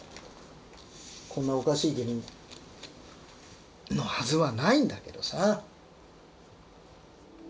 こんなおかしい国のはずはないんだけどさ。